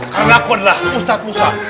karena aku adalah ustadz musa